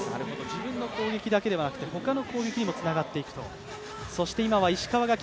自分の攻撃だけではなくて他の攻撃にもつながっていくと。